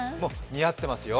似合ってますよ。